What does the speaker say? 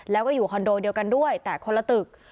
แล้วก็อยู่คอนโดเดียวกันด้วยแต่คนละตึก